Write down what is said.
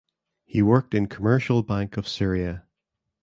He worked in Commercial Bank of Syria.